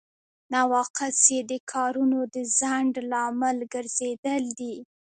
نواقص یې د کارونو د ځنډ لامل ګرځیدل دي.